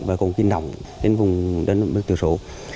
và công khí nóng đến vùng đất nước tiểu số